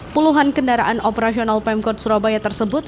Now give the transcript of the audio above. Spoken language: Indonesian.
puluhan kendaraan operasional pemkot surabaya tersebut